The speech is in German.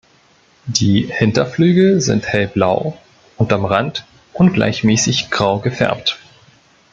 Die Hinterflügel sind hellblau und am Rand ungleichmäßig grau gefärbt.